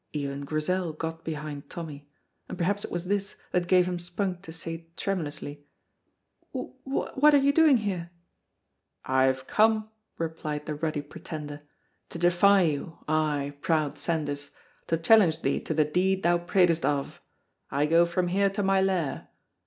Even Grizel got behind Tommy, and perhaps it was this that gave him spunk to say tremulously, "Wh what are you doing her?" "I have come," replied the ruddy Pretender, "to defy you, ay, proud Sandys, to challenge thee to the deed thou pratest of. I go from here to my Lair.